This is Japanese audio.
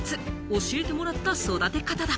教えてもらった育て方だ。